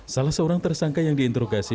salah seorang tersangka yang diinterogasi